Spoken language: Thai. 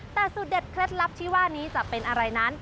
แต่สูตรเด็ดเคล็ดลับที่ว่านี้จะเป็นอะไรนั้น